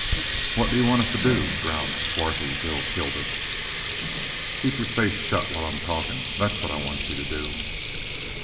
"What do you want us to do?" growled swarthy Bill Kilduff. "Keep your face shut while I'm talkin', that's what I want you to do!"